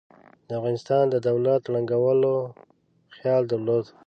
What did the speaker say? د افغانستان د دولت د ړنګولو خیال درلود.